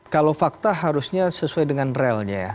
kalau fakta harusnya sesuai dengan relnya ya